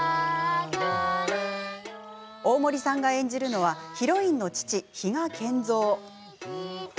大森さんが演じるのはヒロインの父・比嘉賢三。